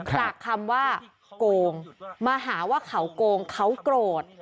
จากคำว่าโกงมาหาว่าเขาโกงเขาโกรธ